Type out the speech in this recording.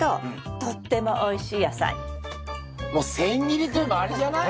もう千切りといえばあれじゃない？